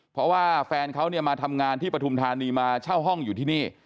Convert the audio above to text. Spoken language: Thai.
เพราะว่าแฟนเขาเนี่ยมาทำงานที่ปฐุมธานีมาเช่าห้องอยู่ที่นี่